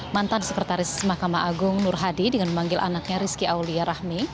mantan sekretaris mahkamah agung nur hadi dengan memanggil anaknya rizky aulia rahmi